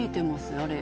あれ。